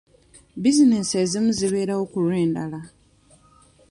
Businensi ezimu zibeerawo ku lw'endala.